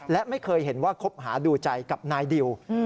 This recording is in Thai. และไม่เคยเห็นว่าคบหาดูใจกับนายดิว